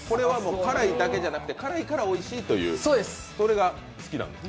辛いだけじゃなくて辛いからおいしいってのが好きなのね。